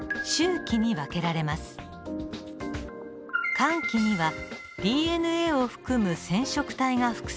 間期にはＤＮＡを含む染色体が複製されます。